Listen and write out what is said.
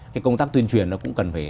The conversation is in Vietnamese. cái công tác tuyên truyền nó cũng cần phải